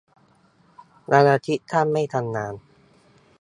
วันอาทิตย์ช่างไม่ทำงาน